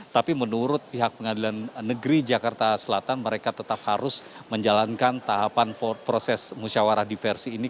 tapi menurut pihak pengadilan negeri jakarta selatan mereka tetap harus menjalankan tahapan proses musyawarah diversi ini